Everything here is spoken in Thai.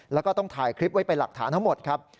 แล้วก็ต้องถ่ายคลิปไว้เป็นหลักฐานทั้งหมดครับ